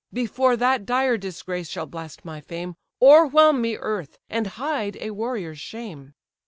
Before that dire disgrace shall blast my fame, O'erwhelm me, earth; and hide a warrior's shame!"